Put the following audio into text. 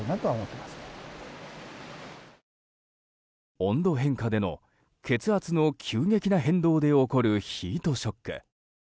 温度変化での血圧の急激な変動で起こるヒートショック。